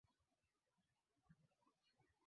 inakaribiana na ile inayowakabili waandishi wahabari